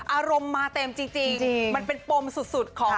อารมณ์มาเต็มจริงมันเป็นปมสุดของ